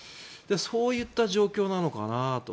そういった状況なのかなと。